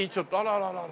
あらららら。